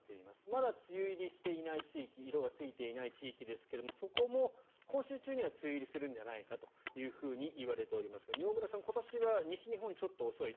まだ梅雨入りしていない地域色がついていない地域ですがそこも今週中には梅雨入りするんじゃないかといわれていますが饒村さん、今年は西日本、ちょっと遅い。